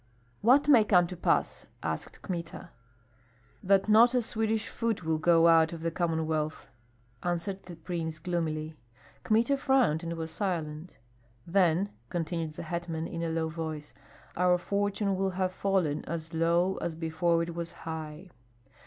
"What may come to pass?" asked Kmita. "That not a Swedish foot will go out of the Commonwealth," answered the prince, gloomily. Kmita frowned and was silent. "Then," continued the hetman, in a low voice, "our fortune will have fallen as low as before it was high."